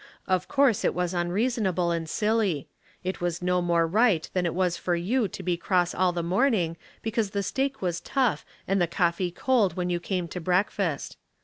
Of course it was unreasonable and silly ; it was no more right than it was for you to be cross all the morning because the steak wum tough and the coffee cold when you came to breakfast.